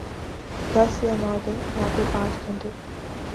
دس یا نو دن یا پھر پانچ گھنٹے؟